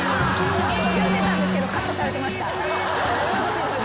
言ってたんですけどカットされてました。